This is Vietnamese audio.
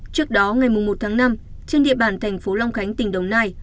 trước đó ngày một tháng năm trên địa bàn thành phố long khánh tỉnh đồng nai